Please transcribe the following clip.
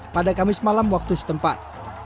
pada kamis malam waktu setempat